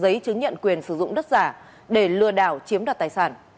giấy chứng nhận quyền sử dụng đất giả để lừa đảo chiếm đoạt tài sản